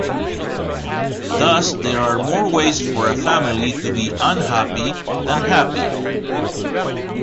Thus there are more ways for a family to be unhappy than happy.